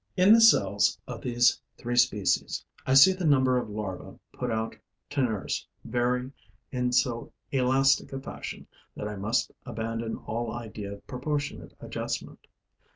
In the cells of these three species, I see the number of larvae put out to nurse vary in so elastic a fashion that I must abandon all idea of proportionate adjustment.